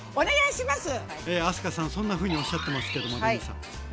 明日香さんそんなふうにおっしゃってますけどもレミさん。